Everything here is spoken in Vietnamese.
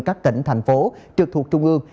các tỉnh thành phố trực thuộc trung ương